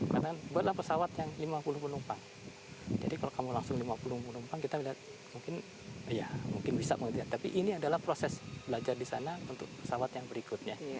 karena buatlah pesawat yang lima puluh penumpang jadi kalau kamu langsung lima puluh penumpang kita lihat mungkin bisa tapi ini adalah proses belajar di sana untuk pesawat yang berikutnya